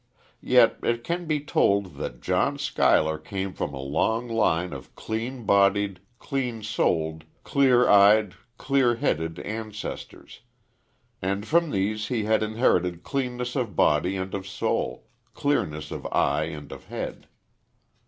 Yet it can be told that John Schuyler came from a long line of clean bodied, clean souled, clear eyed, clear headed ancestors; and from these he had inherited cleanness of body and of soul, clearness of eye and of head.